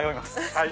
はい。